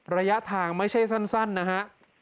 ระยะทางไม่ใช่สั้นนะฮะ